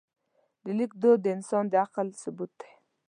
د لیک دود د انسان د عقل ثبوت دی.